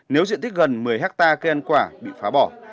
nếu diện tích gần một mươi hectare cây ăn quả bị phá bỏ